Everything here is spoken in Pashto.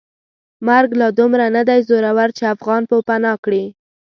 مرګ لا دومره ندی زورور چې افغان پوپناه کړي.